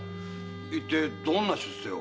一体どんな出世を？